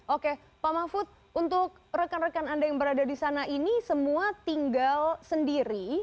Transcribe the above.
oke pak mahfud untuk rekan rekan anda yang berada di sana ini semua tinggal sendiri